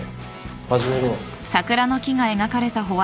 始めろ。